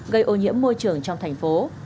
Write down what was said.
gây ô nhiễm môi trường trong thành phố